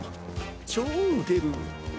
超ウケるぅ。